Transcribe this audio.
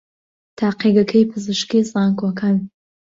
تاقیگەکەی پزیشکیی زانکۆکان